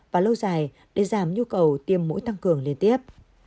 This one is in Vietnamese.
và lâu dài để giảm nhu cầu tiêm mũi tăng cường liên tiếp